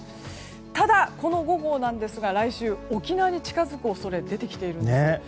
ただ、この５号ですが来週沖縄に近づく恐れが出てきているんです。